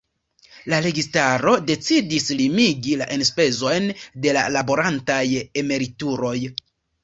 La registaro decidis limigi la enspezojn de laborantaj emerituloj.